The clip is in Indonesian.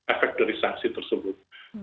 efek dari sanksi tersebut